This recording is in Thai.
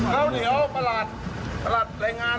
แล้วเดี๋ยวประหลาดประหลาดแรงงาน